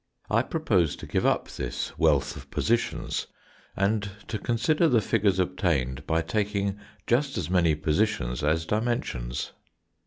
I propose to give up this wealth of positions, and to consider the figures obtained by taking just as many positions as dimensions.